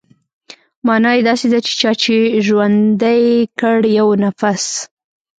مانا يې داسې ده چې چا چې ژوندى کړ يو نفس.